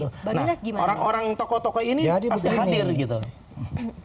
artinya orang orang tokoh tokoh ini pasti hadir gitu